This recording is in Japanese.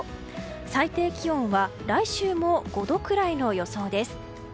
最低気温は来週も５度くらいの予想です。